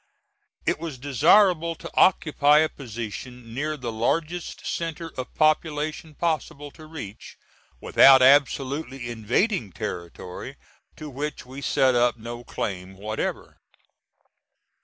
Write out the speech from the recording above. It was desirable to occupy a position near the largest centre of population possible to reach, without absolutely invading territory to which we set up no claim whatever.